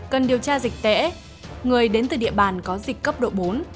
cần điều tra dịch tễ người đến từ địa bàn có dịch cấp độ bốn